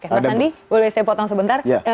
oke mas andi boleh saya potong sebentar